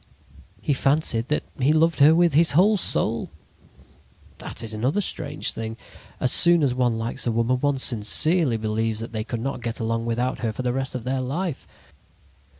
He fancied that he loved her with his whole soul. That is another strange thing. As soon as one likes a woman one sincerely believes that they could not get along without her for the rest of their life.